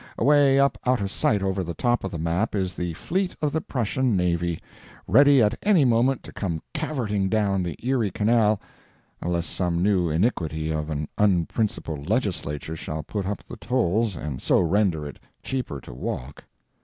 Away up out of sight over the top of the map is the fleet of the Prussian navy, ready at any moment to come cavorting down the Erie Canal (unless some new iniquity of an unprincipled Legislature shall put up the tolls and so render it cheaper to walk).